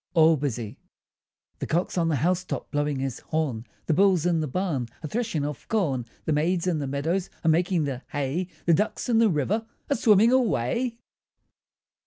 ALL BUSY The cock's on the house top, Blowing his horn; The bull's in the barn, A threshing of corn; The maids in the meadows Are making the hay, The ducks in the river Are swimming away.